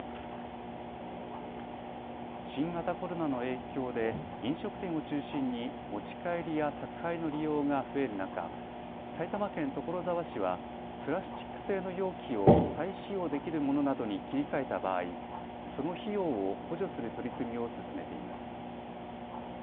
新型コロナの影響で飲食店を中心に持ち帰りや宅配の利用が増える中、埼玉県所沢市はプラスチック製の容器を再使用できるものなどに切り替えた場合、その費用を補助する取り組みを進めています。